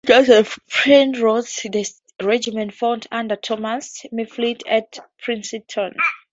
Led by Colonel Joseph Penrose, the regiment fought under Thomas Mifflin at Princeton.